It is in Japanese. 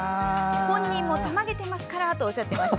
本人もたまげていますから！とおっしゃっていました。